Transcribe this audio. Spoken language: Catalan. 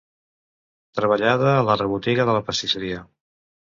Treballada a la rebotiga de la pastisseria.